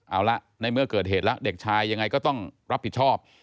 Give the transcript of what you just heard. เอาละในเมื่อเกิดเหตุแล้วเด็กชายยังไงก็ต้องรับผิดชอบ